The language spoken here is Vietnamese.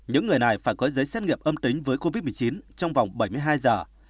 những người này phải có giấy xét nghiệm âm tính với covid một mươi chín trong vòng bảy mươi hai giờ